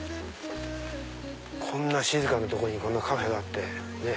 こんな静かな所にこんなカフェがあって。